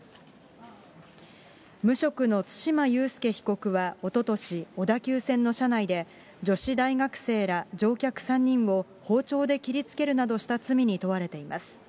無職の対馬悠介被告はおととし、小田急線の車内で、女子大学生ら乗客３人を、包丁で切りつけるなどした罪に問われています。